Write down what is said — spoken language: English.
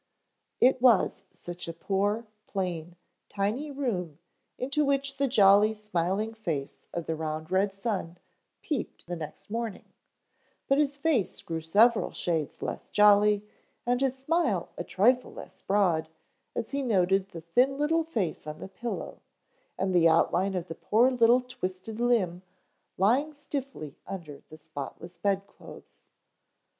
It was such a poor, plain tiny room into which the jolly, smiling face of the round red sun peeped the next morning, but his face grew several shades less jolly and his smile a trifle less broad as he noted the thin little face on the pillow and the outline of the poor little twisted limb lying stiffly under the spotless bedclothes.